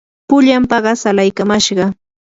pullan paqas alaykamashqaa.